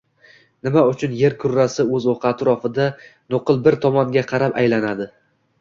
Nima uchun Yer kurrasi o’z o’qi atrofida nuqul bir tomonga qarab aylanadi?